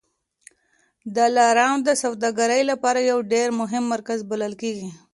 دلارام د سوداګرۍ لپاره یو ډېر مهم مرکز بلل کېږي.